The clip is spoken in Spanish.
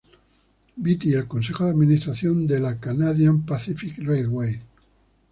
Beatty y el Consejo de Administración del Canadian Pacific Railway.